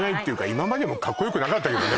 今までもカッコよくなかったけどね